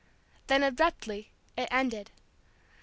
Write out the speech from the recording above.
Then abruptly it ended.